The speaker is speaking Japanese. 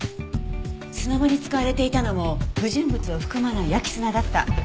砂場に使われていたのも不純物を含まない焼砂だった。